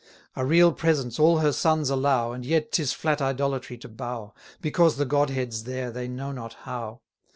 A real presence all her sons allow, And yet 'tis flat idolatry to bow, Because the Godhead's there they know not how.